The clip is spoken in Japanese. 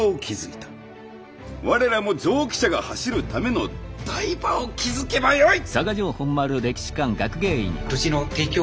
我らも蒸気車が走るための台場を築けばよい！